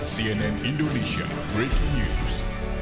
cnn indonesia breaking news